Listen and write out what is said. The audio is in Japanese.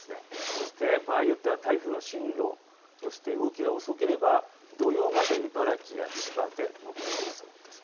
そして場合によっては台風の進路、動きが遅ければ土曜日まで茨城や千葉で残りそうです。